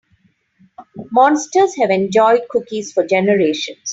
Monsters have enjoyed cookies for generations.